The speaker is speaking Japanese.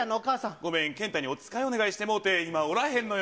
ごめん、けんたにおつかいお願いしてもうて、今、おらへんのよ。